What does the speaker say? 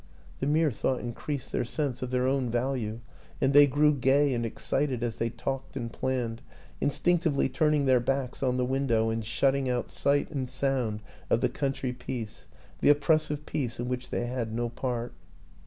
The mere thought increased their sense of their own value, and they grew gay and excited as they talked and planned, instinc tively turning their backs on the window and shutting out sight and sound of the country peace, the oppressive peace in which they had no part.